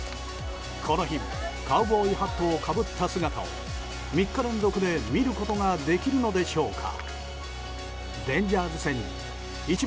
この日もカウボーイハットをかぶった姿を３日連続で見ることができるのでしょうか。